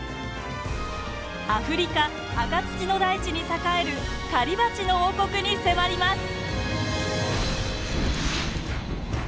アフリカ赤土の大地に栄える狩りバチの王国に迫ります。